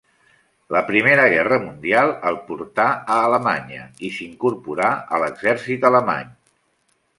La primera guerra mundial el portà a Alemanya i s'incorporà a l'exèrcit alemany.